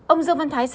ông dương văn thái